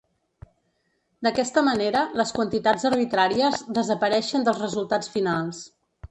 D'aquesta manera, les quantitats arbitràries desapareixen dels resultats finals.